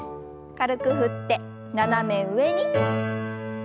軽く振って斜め上に。